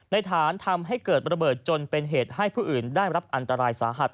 ฐานทำให้เกิดระเบิดจนเป็นเหตุให้ผู้อื่นได้รับอันตรายสาหัส